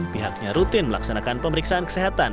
pihaknya rutin melaksanakan pemeriksaan kesehatan